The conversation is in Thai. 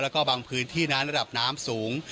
แล้วก็บางพื้นที่นั้นระดับน้ำสูง